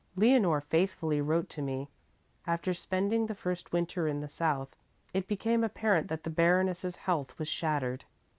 "Leonore faithfully wrote to me. After spending the first winter in the south it became apparent that the Baroness's health was shattered.